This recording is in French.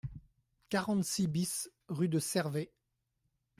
quarante-six BIS rue de Cervet